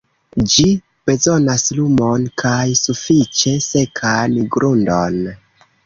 Ĝi bezonas lumon kaj sufiĉe sekan grundon.